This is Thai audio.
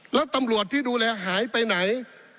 แล้วตำรวจที่ดูแลหายไปไหน